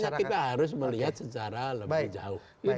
ya kita harus melihat secara lebih jauh